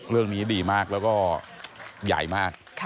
เรื่องนี้ดีมากแล้วก็ใหญ่มาก